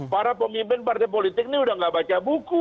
para pemimpin partai politik ini udah gak baca buku